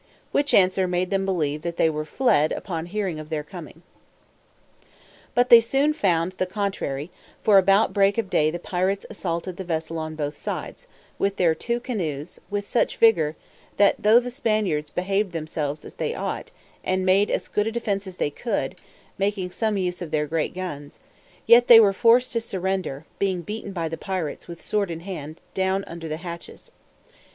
Which answer made them believe that they were fled upon hearing of their coming. But they soon found the contrary, for about break of day the pirates assaulted the vessel on both sides, with their two canoes, with such vigour, that though the Spaniards behaved themselves as they ought, and made as good defence as they could, making some use of their great guns, yet they were forced to surrender, being beaten by the pirates, with sword in hand, down under the hatches.